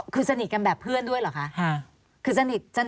คือสนิทกันแบบเพื่อนด้วยเหรอคะ